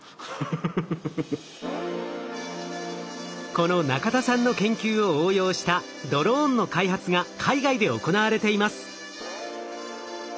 この中田さんの研究を応用したドローンの開発が海外で行われています。